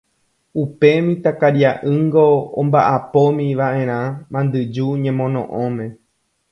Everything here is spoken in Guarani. Upe mitãkaria'ýngo omba'apómiva'erã mandyju ñemono'õme.